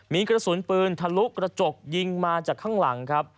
มีกระสุนปืนทะลุกระจกยิงมาจากข้างหลังครับ